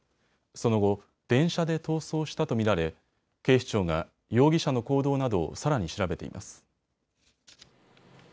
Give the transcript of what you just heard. その後、電車で逃走したと見られ警視庁が容疑者の行動などをさらに調べています。